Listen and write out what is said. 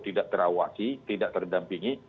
tidak terawasi tidak terdampingi